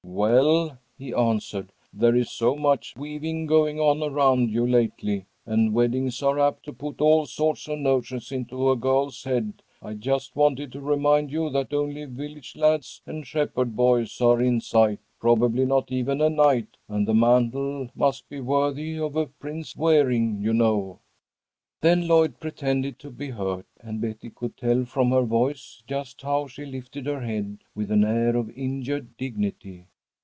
"Well," he answered, "there is so much weaving going on around you lately, and weddings are apt to put all sorts of notions into a girl's head. I just wanted to remind you that only village lads and shepherd boys are in sight, probably not even a knight, and the mantle must be worthy of a prince's wearing, you know." Then Lloyd pretended to be hurt, and Betty could tell from her voice just how she lifted her head with an air of injured dignity.